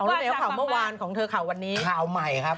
แล้วเดี๋ยวข่าวเมื่อวานของเธอข่าววันนี้ข่าวใหม่ครับ